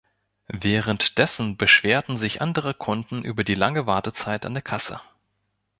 Während dessen beschwerten sich andere Kunden über die lange Wartezeit an der Kasse.